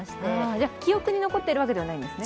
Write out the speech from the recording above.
じゃあ、記憶に残っているわけではないんですね。